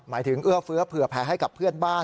หมายถึงเอื้อเฟื้อเผื่อแผลให้กับเพื่อนบ้าน